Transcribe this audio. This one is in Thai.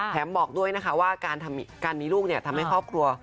บอกด้วยนะคะว่าการมีลูกทำให้ครอบครัว